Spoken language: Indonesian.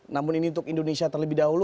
namun ini untuk indonesia terlebih dahulu